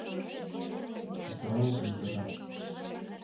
Чикталалза ӱдырдам.